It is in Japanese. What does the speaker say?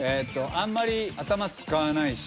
あんまり頭使わないし。